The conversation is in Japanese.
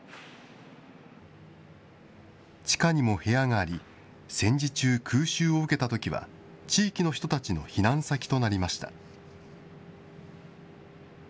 地下にも部屋があり、戦時中、空襲を受けたときは、地域の人たちの避難先となりました。